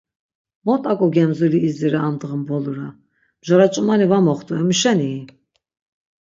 Mot ak̆o gemzuli iz̆ire amdğa mbulora, mjoraç̌umani va moxtu emuşeniyi?